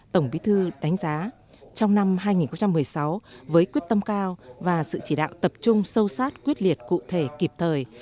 tổng bí thư đánh giá trong năm hai nghìn một mươi sáu với quyết tâm cao và sự chỉ đạo tập trung sâu sát quyết liệt cụ thể kịp thời